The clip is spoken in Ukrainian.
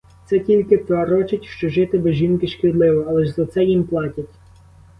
Це тільки торочать, що жити без жінки шкідливо, але ж за це їм платять.